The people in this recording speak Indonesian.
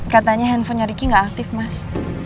katanya handphonenya ricky gak aktif mas